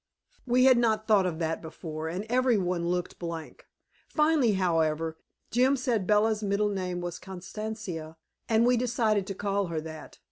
We had not thought of that before and every one looked blank. Finally, however, Jim said Bella's middle name was Constantia, and we decided to call her that.